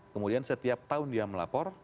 kemudian setiap tahun dia melapor